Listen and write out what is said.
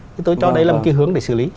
thế tôi cho đây là một cái hướng để xử lý